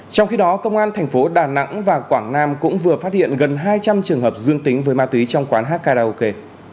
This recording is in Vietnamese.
trong khi đó công an thành phố đà nẵng và quảng nam cũng vừa phát hiện gần hai trăm linh trường hợp dương tính với ma túy trong quán hát karaoke